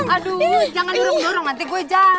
aduh jangan dorong dorong nanti gue jatuh